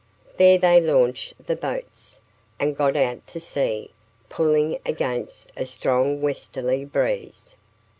There they launched the boats, and got out to sea, pulling against a strong westerly breeze.